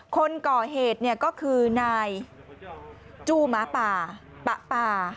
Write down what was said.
คนก่อเหตุก็คือนายจูหมาป่าปะป่า